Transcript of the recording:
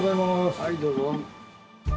はいどうぞ。